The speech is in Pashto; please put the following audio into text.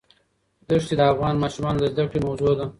دښتې د افغان ماشومانو د زده کړې موضوع ده.